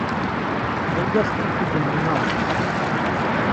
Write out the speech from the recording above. دڵ دەستی کردن بهناڵ